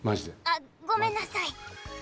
あっごめんなさい！